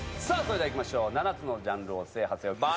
さぁそれでは行きましょう７つのジャンルを制覇せよ。